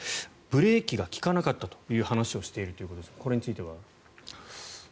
ブレーキが利かなかったという話をしているようですがこれについては。